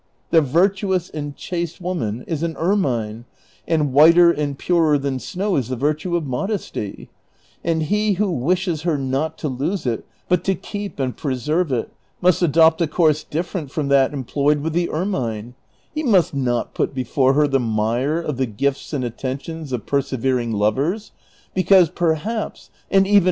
The virtuous and chaste woman is an ei'mine, and whiter and purer than snow is the virtue of modesty; and he who wishes her not to lose it, but to keep and preserve it, must adopt a course diff'erent from that employed with the ermine ; he niust not put before her the mire of the gifts and attentions of persevering lovers, because perhaps — and even without a perhaps Rinalilo's liost, who tried the test of the cup.